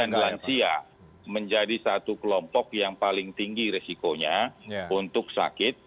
dan kemudian lansia menjadi satu kelompok yang paling tinggi resikonya untuk sakit